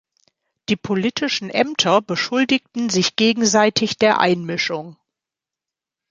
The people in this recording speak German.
Die politischen Ämter beschuldigten sich gegenseitig der Einmischung.